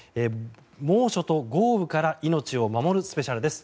猛暑と豪雨から命を守るスペシャルです。